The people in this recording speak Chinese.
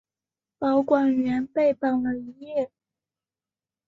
保管员被绑了一夜。